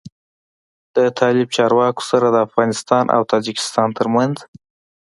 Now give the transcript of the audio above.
له طالب چارواکو سره د افغانستان او تاجکستان تر منځ